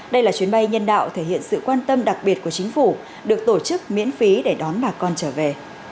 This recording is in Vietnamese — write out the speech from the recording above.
đây là chuyến bay nhân đạo thể hiện sự quan tâm đặc biệt của chính phủ được tổ chức miễn phí để đón bà con trở về